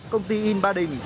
công ty in ba địa